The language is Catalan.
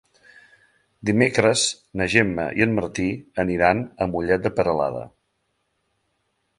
Dimecres na Gemma i en Martí aniran a Mollet de Peralada.